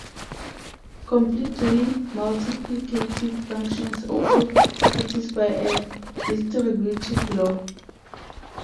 Completely multiplicative functions also satisfy a distributive law.